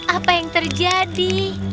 apa yang terjadi